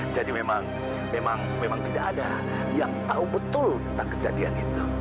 jadi memang memang memang tidak ada yang tahu betul tentang kejadian itu